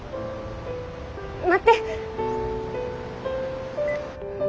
待って！